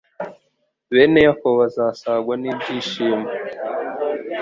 bene Yakobo bazasagwa n’ibyishimo